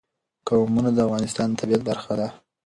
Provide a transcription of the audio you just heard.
قومونه د افغانستان د طبیعت برخه ده.